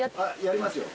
やりますよ。